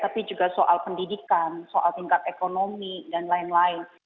tapi juga soal pendidikan soal tingkat ekonomi dan lain lain